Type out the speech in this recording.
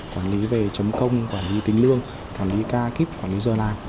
quản lý về chấm công quản lý tính lương quản lý ca kíp quản lý giờ làm